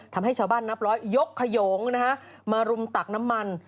ทำให้ชาวบ้านนับร้อยยกขยงนะฮะมารุมตักน้ำมัน